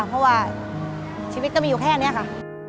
เพราะว่าชีวิตก็มีอยู่แค่นี้ค่ะ